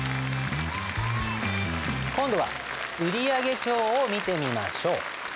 今度は売上帳を見てみましょう。